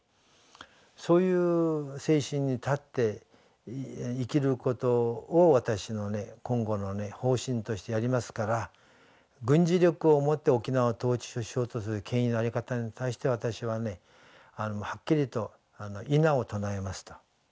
そういう精神に立って生きることを私の今後の方針としてやりますから軍事力をもって沖縄を統治しようとする権威のあり方に対しては私ははっきりと否を唱えますと。